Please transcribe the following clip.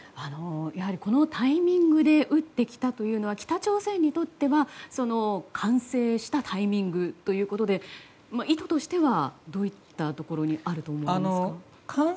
やはり、このタイミングで撃ってきたというのは北朝鮮にとっては完成したタイミングということで意図としてはどういったところにあると思いますか。